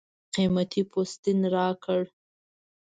قېمتي پوستین راکړ.